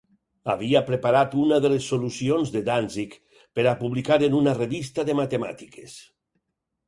Havia preparat una de les solucions de Dantzig per a publicar en una revista de matemàtiques.